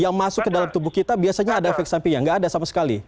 yang masuk ke dalam tubuh kita biasanya ada efek sampingnya nggak ada sama sekali